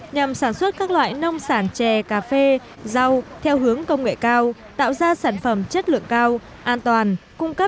nhằm sản xuất các loại nông sản chè cà phê rau theo hướng công nghệ cao tạo ra sản phẩm chất lượng cao an toàn